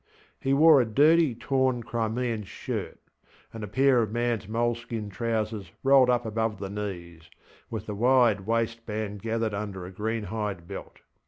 He wore a dirty torn Crimean shirt; and a pair of manŌĆÖs moleskin trousers rolled up above the knees, with the wide waistband gathered under a greenhide belt.